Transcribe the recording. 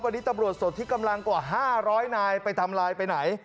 วันนี้ตำรวจสดที่กำลังกว่า๕๐๐นายไปทำลายไปไหน